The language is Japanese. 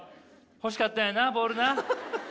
欲しかったんやなボールな。